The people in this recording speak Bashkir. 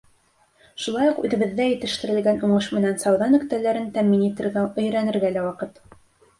Шулай уҡ үҙебеҙҙә етештерелгән уңыш менән сауҙа нөктәләрен тәьмин итергә өйрәнергә лә ваҡыт.